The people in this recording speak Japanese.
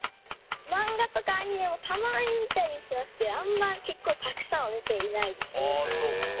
漫画とかアニメもたまに見たりしますけどあんま、たくさんは見ていないですね。